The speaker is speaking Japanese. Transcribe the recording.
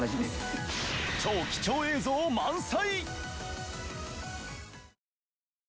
超貴重映像満載！